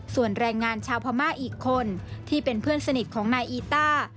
ส่วนแรงงานชาวพม่าอีกคนที่เป็นเพื่อนสนิทของนายอีต้า